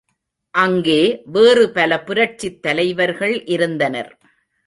அங்கே வேறு பல புரட்சித் தலைவர்கள் இருந்தனர்.